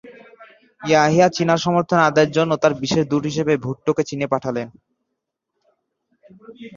ইয়াহিয়া চীনা সমর্থন আদায়ের জন্য তাঁর বিশেষ দূত হিসেবে ভুট্টোকে চীনে পাঠালেন।